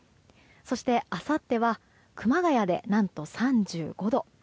そして、あさっては熊谷で何と３５度。